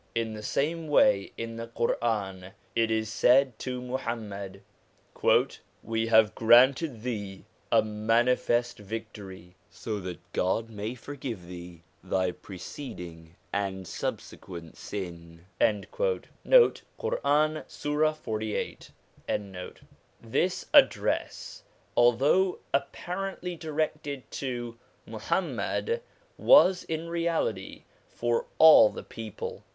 In the same way in the Quran it is said to Muham mad :' We have granted thee a manifest victory, so that God may forgive thee thy preceding and sub sequent sin.' 1 This address, although apparently directed to Muhammad, was in reality for all the people.